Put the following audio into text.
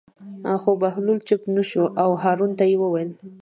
خو بهلول چوپ نه شو او هارون ته یې وویل.